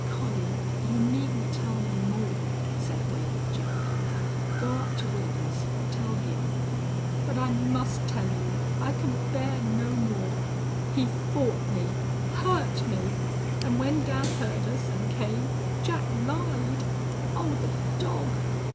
"Collie, you needn't tell me more," said Wade, gently. "Go up to Wils. Tell him." "But I must tell you. I can bear no more.... He fought me hurt me and when dad heard us and came Jack lied.... Oh, the dog!...